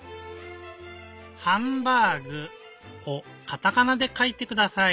「ハンバーグ」をカタカナでかいてください。